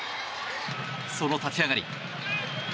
その立ち上がり。